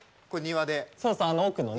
そうそうあの奥のね。